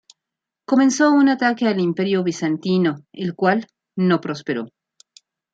Comenzó un ataque al Imperio bizantino, el cual no prosperó.